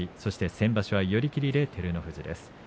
先場所は寄り切りで照ノ富士です。